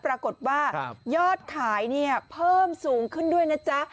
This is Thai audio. ปรากฏว่ายอดขายเนี่ยเพิ่มสูงขึ้นด้วยนะจ๊ะ